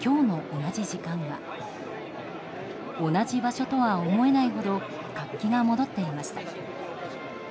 同じ場所とは思えないほど活気が戻っていました。